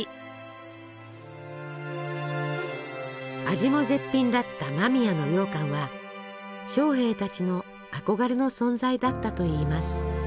味も絶品だった間宮のようかんは将兵たちの憧れの存在だったといいます。